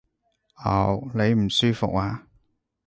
嗷！你唔舒服呀？